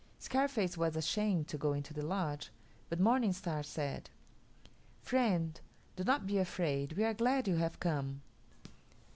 Scarface was ashamed to go into the lodge, but Morning Star said, "Friend, do not be afraid; we are glad you have come."